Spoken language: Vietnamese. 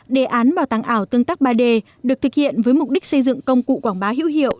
đề án bảo tàng ảo tương tác ba d được thực hiện với mục đích xây dựng công cụ quảng bá hữu hiệu